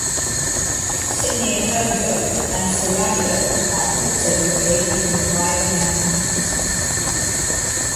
Sitniakovo and Saragiol are also located in the Rila Mountains.